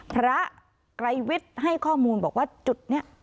ไกรวิทย์ให้ข้อมูลบอกว่าจุดนี้